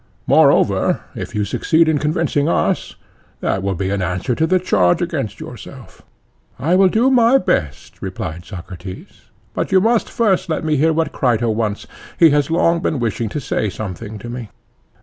Moreover, if you succeed in convincing us, that will be an answer to the charge against yourself. I will do my best, replied Socrates. But you must first let me hear what Crito wants; he has long been wishing to say something to me.